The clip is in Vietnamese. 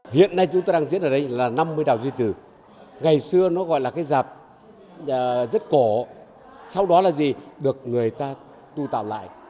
chuyện biểu diễn ở đây là năm mươi đào duy từ ngày xưa nó gọi là cái dạp rất cổ sau đó là gì được người ta tu tạo lại